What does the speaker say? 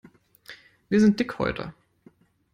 Wir sind Dickhäuter.